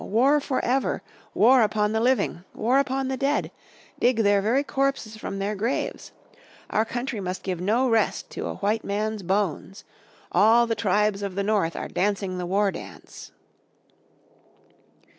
War for ever! War upon the living. War upon the dead. Dig their very corpses from their graves. Our country must give no rest to a white man's bones. All the tribes of the North are dancing in the war dance."